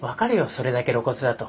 それだけ露骨だと。